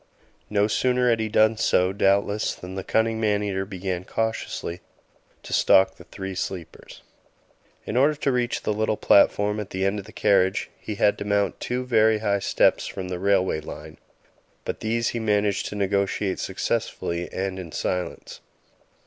No sooner had he done so, doubtless, than the cunning man eater began cautiously to stalk the three sleepers. In order to reach the little platform at the end of the carriage, he had to mount two very high steps from the railway line, but these he managed to negotiate successfully and in silence.